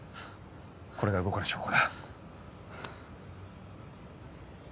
これが動かぬ証拠だ。